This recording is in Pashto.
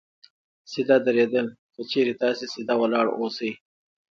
سیده درېدل : که چېرې تاسې سیده ولاړ اوسئ